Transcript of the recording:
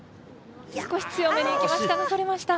少し強めにいきましたがそれました。